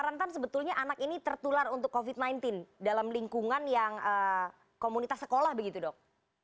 rentan sebetulnya anak ini tertular untuk covid sembilan belas dalam lingkungan yang komunitas sekolah begitu dok